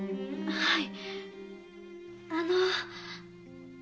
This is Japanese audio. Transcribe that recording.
はい。